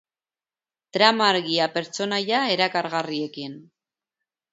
Trama argia pertsonaia erakargarriekin.